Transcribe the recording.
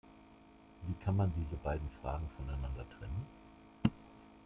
Wie kann man diese beiden Fragen voneinander trennen?